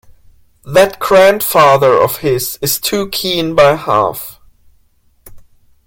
That grandfather of his is too keen by half.